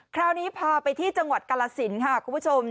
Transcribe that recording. คราวนี้พาไปที่จังหวัดกาลสินค่ะคุณผู้ชม